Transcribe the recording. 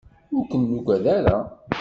Ur ken-nuggad ara.